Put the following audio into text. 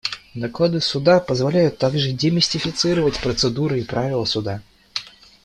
Доклады Суда позволяют также демистифицировать процедуры и правила Суда.